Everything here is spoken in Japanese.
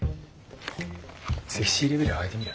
セクシーレベルを上げてみる？